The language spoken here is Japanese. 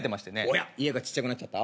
おや家がちっちゃくなっちゃった？